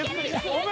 お前